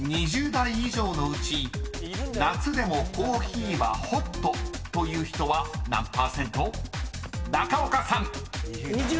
［２０代以上夏でもコーヒーはホットという人は何％か］